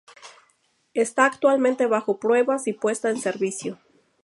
Está actualmente bajo pruebas y puesta en servicio.